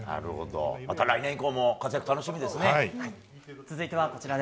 また来年以降も活躍が楽しみですね。